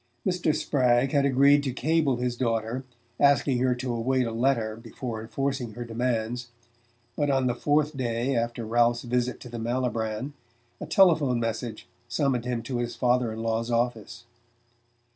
Mr. Spragg had agreed to cable his daughter asking her to await a letter before enforcing her demands; but on the fourth day after Ralph's visit to the Malibran a telephone message summoned him to his father in law's office.